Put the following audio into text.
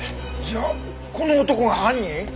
じゃあこの男が犯人？